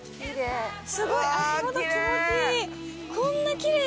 すごい足もと気持ちいい。